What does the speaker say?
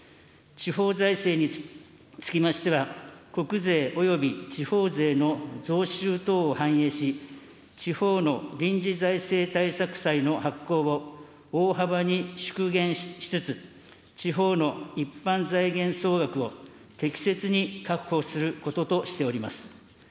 地方財政につきましては、国税および地方税の増収等を反映し、地方の臨時財政対策債の発行を大幅に縮減しつつ、地方の一般財源総額を適切に確保することとしております。